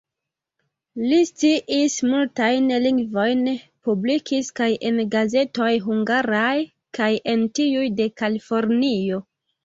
Li sciis multajn lingvojn, publikis kaj en gazetoj hungaraj kaj en tiuj de Kalifornio.